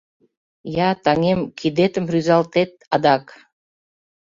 Я, таҥем, кидетым рӱзалтет адак.